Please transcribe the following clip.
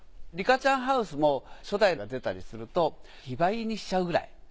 リカちゃんハウスも初代が出たりすると非売品にしちゃうくらい。